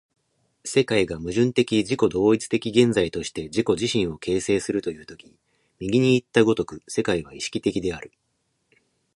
世界が矛盾的自己同一的現在として自己自身を形成するという時右にいった如く世界は意識的である。